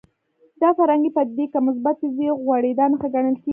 دا فرهنګي پدیدې که مثبتې وي غوړېدا نښه ګڼل کېږي